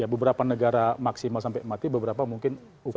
ya beberapa negara maksimal sampai mati beberapa mungkin hukuman